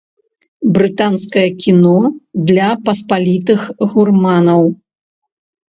Брытанскае кіно для паспалітых гурманаў.